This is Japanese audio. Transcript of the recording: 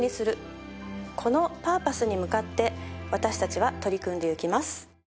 このパーパスに向かって私たちは取り組んでいきます。